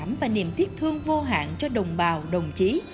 tình cảm và niềm thiết thương vô hạn cho đồng bào đồng chí